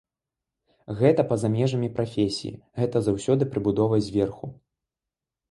Гэта па-за межамі прафесіі, гэта заўсёды прыбудова зверху.